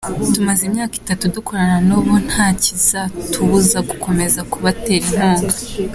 Tumaze imyaka itatu dukorana n’ubu ntakizatubuza gukomeza kubatera inkunga.